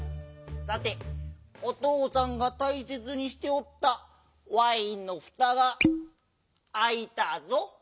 さてお父さんがたいせつにしておった「ワインのふたがあいた」ぞ。